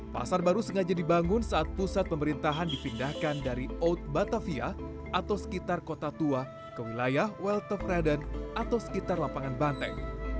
pasar baru sengaja dibangun saat pusat pemerintahan dipindahkan dari old batavia atau sekitar kota tua ke wilayah welter raden atau sekitar lapangan banteng